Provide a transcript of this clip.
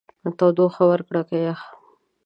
تودوخه ورکړو که يخ؟